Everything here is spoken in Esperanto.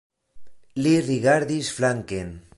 Li rigardis flanken.